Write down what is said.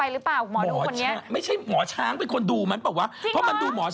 แล้วหมอดูก็พูดอีกว่าไม่นานหรอก